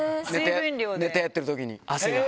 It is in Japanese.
ネタやってるときに、汗が。